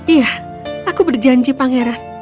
iya aku berjanji pangeran